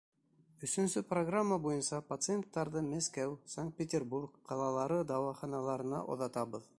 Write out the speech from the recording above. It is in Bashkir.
Өсөнсө программа буйынса пациенттарҙы Мәскәү, Санкт-Петербург ҡалалары дауаханаларына оҙатабыҙ.